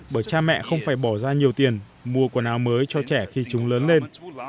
bởi cha mẹ không phải bỏ ra nhiều tiền mua quần áo mới cho trẻ khi chúng lớn lên